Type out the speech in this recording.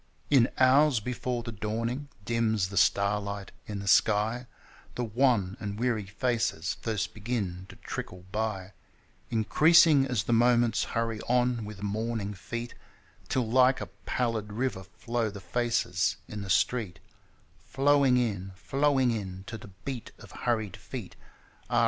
In hours before the dawning dims the starlight in the sky The wan and weary faces first begin to trickle by, Increasing as the moments hurry on with morning feet, Till like a pallid river flow the faces in the street Flowing in, flowing in, To the beat of hurried feet Ah !